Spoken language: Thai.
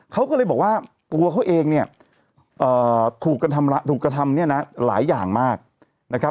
เขาก็เลยบอกว่าตัวเขาเองเนี่ยถูกกระทำเนี่ยนะหลายอย่างมากนะครับ